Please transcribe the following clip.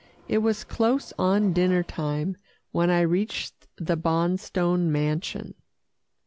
It was close on dinner time, when I reached the Bonstone mansion.